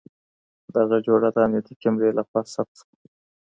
دغه جوړه د امنيتي کمرې له خوا ثبت شوه.